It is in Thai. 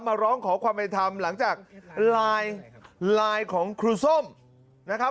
มาร้องขอความเป็นธรรมหลังจากไลน์ไลน์ของครูส้มนะครับ